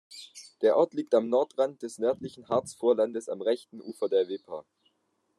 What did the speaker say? Der Ort liegt am Nordrand des nördlichen Harzvorlandes am rechten Ufer der Wipper.